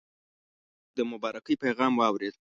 د مبارکی پیغام واورېد.